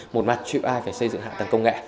một mặt chịu ai phải xây dựng hạ tầng công nghệ